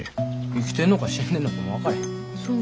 生きてんのか死んでんのかも分かれへん。